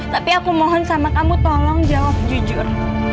tapi aku mohon sama kamu tolong jawab jujur